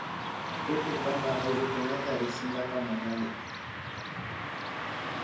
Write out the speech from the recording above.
Tukuy kanpak ayllukunata riksinkapak munani